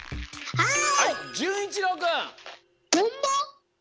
はい！